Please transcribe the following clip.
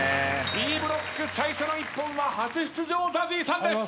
Ｂブロック最初の一本は初出場ＺＡＺＹさんです！